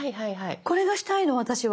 これがしたいの私は。